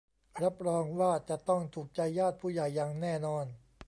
รับรองว่าจะต้องถูกใจญาติผู้ใหญ่อย่างแน่นอน